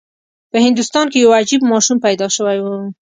په هندوستان کې یو عجیب ماشوم پیدا شوی و.